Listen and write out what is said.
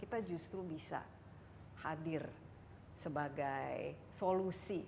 kita justru bisa hadir sebagai solusi